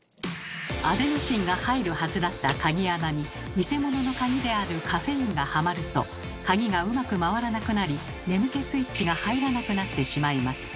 アデノシンが入るはずだった鍵穴に偽物の鍵であるカフェインがはまると鍵がうまく回らなくなり眠気スイッチが入らなくなってしまいます。